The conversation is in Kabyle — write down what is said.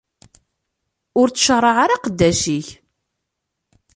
Ur ttcaraɛ ara aqeddac-ik.